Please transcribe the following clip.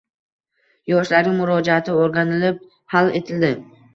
Yoshlarning murojaati o‘rganilib hal etildi